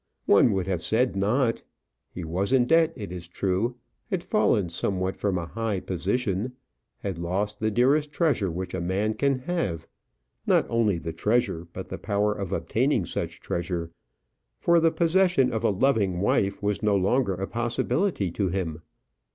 One would have said not. He was in debt, it is true; had fallen somewhat from a high position; had lost the dearest treasure which a man can have; not only the treasure, but the power of obtaining such treasure; for the possession of a loving wife was no longer a possibility to him.